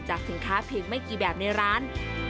สินค้าเพียงไม่กี่แบบในร้าน